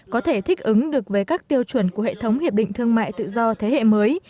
có thể thích ứng được với các tiêu chuẩn của hệ thống hiệp định thương mại tự do thế hệ mới